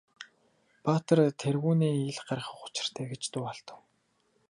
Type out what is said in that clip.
Баатар тэргүүнээ ил гаргах учиртай гэж дуу алдав.